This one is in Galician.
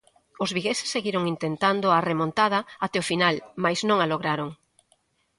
Os vigueses seguiron intentando a remontada até o final, mais non a lograron.